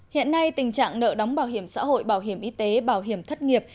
hiện nay tình trạng nợ đóng bảo hiểm xã hội bảo hiểm y tế bảo hiểm thất nghiệp